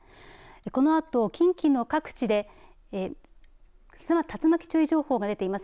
このあと近畿の各地で竜巻注意情報が出ています。